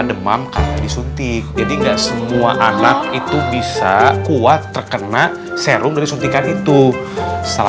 sampai jumpa di video selanjutnya